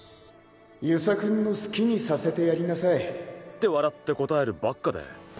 遊佐君の好きにさせてやりなさいって笑って答えるばっかで。